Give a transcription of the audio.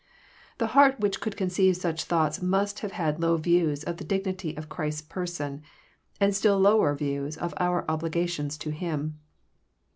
The heart which could conceive such thoughts must have had low views of the dignity of Christ's person, and still lower views of our obligations to Him.